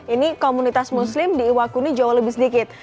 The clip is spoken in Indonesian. ini komunitas muslim di iwakuni jauh lebih sedikit